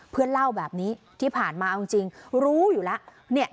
เพื่อนเล่าแบบนี้ที่ผ่านมาเอาจริงรู้อยู่แล้ว